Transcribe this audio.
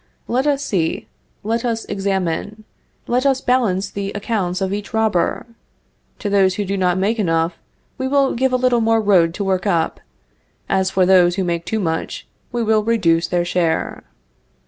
Let us see; let us examine; let us balance the accounts of each robber. To those who do not make enough, we will give a little more road to work up. As for those who make too much, we will reduce their share."